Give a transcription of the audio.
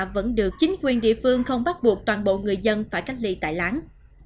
vẫn được chính quyền địa phương không bắt buộc toàn bộ người dân phải cách ly tại láng